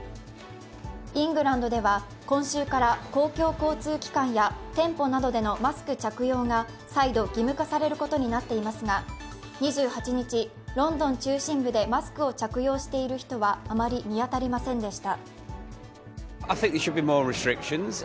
イングランドでは今週から公共交通機関や店舗などでのマスク着用が再度、義務化されることになっていますが２８日、ロンドン中心部でマスクを着用している人はあまり見当たりませんでした。